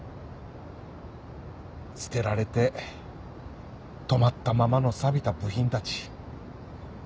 捨てられて止まったままのさびた部品たち